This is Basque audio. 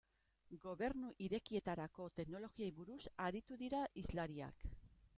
Gobernu Irekietarako teknologiei buruz aritu dira hizlariak.